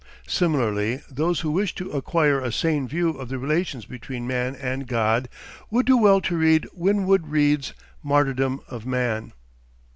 Similarly, those who wish to acquire a sane view of the relations between man and God would do well to read Winwood Reade's 'Martyrdom of Man.